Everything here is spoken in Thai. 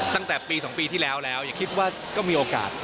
ตั้งแต่ปี๒ปีที่แล้วแล้วอย่าคิดว่าก็มีโอกาส